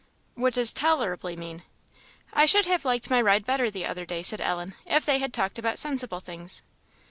"What does 'tolerably' mean?" "I should have liked my ride better the other day," said Ellen, "if they had talked about sensible things."